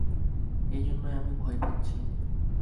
এজন্যই আমি ভয় পাচ্ছি।